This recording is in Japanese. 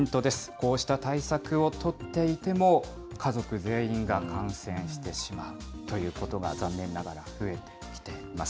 こうした対策を取っていても、家族全員が感染してしまうということが残念ながら増えてきています。